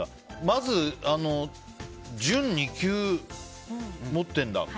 まず、準２級持ってるんだ。